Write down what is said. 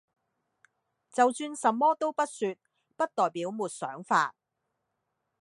就算什麼都不說，不代表沒想法